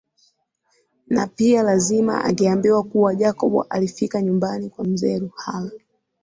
Na pia lazima angeambiwa kuwa Jacob alifika nyumbani kwa mzee Ruhala